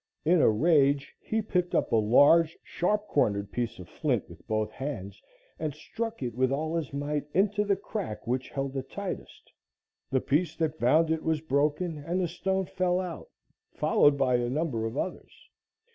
In a rage, he picked up a large, sharp cornered piece of flint with both hands and struck it with all his might into the crack which held the tightest. The piece that bound it was broken and the stone fell out, followed by a number of others.